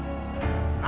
aku takut dengan hafi